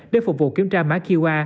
để phục vụ kiểm tra má qr